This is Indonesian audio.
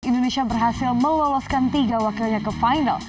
indonesia berhasil meloloskan tiga wakilnya ke final